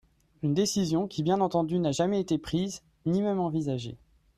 Une décision qui, bien entendu, n’a jamais été prise… ni même envisagée !